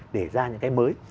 để ra những cái mới